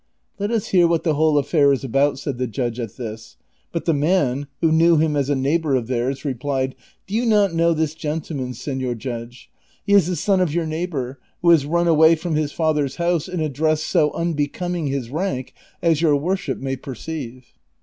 " Let us hear what the whole affair is about," said the judge at this ; but the man, who kncAv him as a neighbor of theirs, replied, " Do you not know this gentleman, senor judge ? He is the son of your neighbor, who has run away from his father's house in a dress so unbecoming his rank, as your worship may perceive."